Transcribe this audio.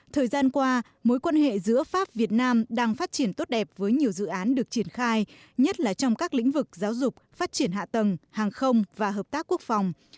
thời gian qua mối quan hệ giữa pháp việt nam đang phát triển tốt đẹp với nhiều dự án được triển khai nhất là trong các lĩnh vực giáo dục phát triển hạ tầng hàng không và hợp tác quốc phòng